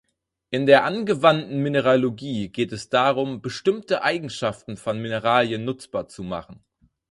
In der Angewandten Mineralogie geht es darum, bestimmte Eigenschaften von Mineralen nutzbar zu machen.